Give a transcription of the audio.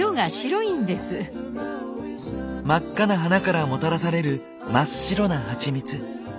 真っ赤な花からもたらされる真っ白なハチミツ。